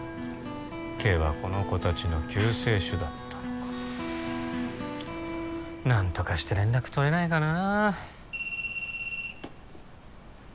Ｋはこの子達の救世主だったのか何とかして連絡取れないかな